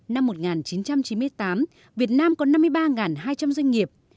năm một nghìn chín trăm chín mươi tám việt nam có năm mươi ba hai trăm linh doanh nghiệp